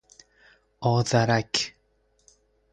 آذرک